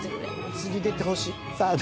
次出てほしい。